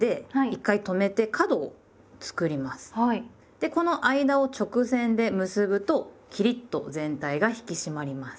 でこの間を直線で結ぶとキリッと全体が引き締まります。